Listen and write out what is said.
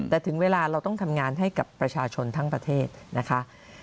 แต่ถึงเวลาเราต้องทำงานให้กับประชาชนทั้งประเทศนะคะ